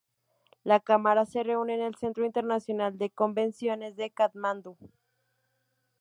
La cámara se reúne en el Centro Internacional de Convenciones de Katmandú.